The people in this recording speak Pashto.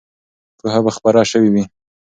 پوهه به خپره سوې وي.